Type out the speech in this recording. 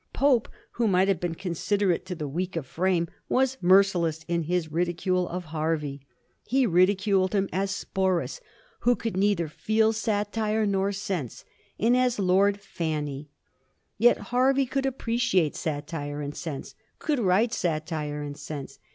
Pope, who might have been considerate to the weak of frame, was merciless in his ridicule of Hervey. He ridiculed him as Sporus, who could neither feel satire nor sense, and as Lord Fanny. Yet Hervey could appreciate satire and sense ; could write satire and sense.